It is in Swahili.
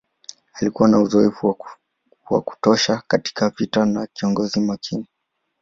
Alikuwa na uzoefu wa kutosha katika vita na kiongozi makini.